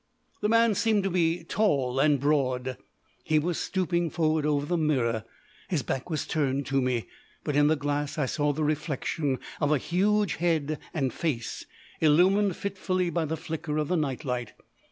The man seemed to be tall and broad. He was stooping forward over the mirror. His back was turned to me, but in the glass I saw the reflection of a huge head and face illumined fitfully by the flicker of the night light.